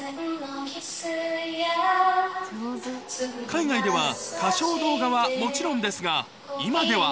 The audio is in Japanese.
海外では歌唱動画はもちろんですが今では